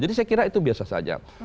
jadi saya kira itu biasa saja